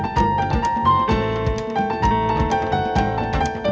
สวัสดีครับ